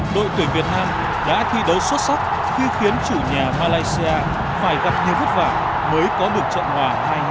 đội tuyển việt nam đã thi đấu xuất sắc khi khiến chủ nhà malaysia phải gặp nhiều vất vả mới có được trận hòa hai hai